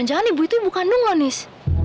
nis jangan jangan ibu itu ibu kandung lo nis